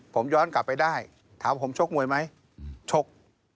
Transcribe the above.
ผมย้อนกลับไปได้ถามผมชกมวยไหมชก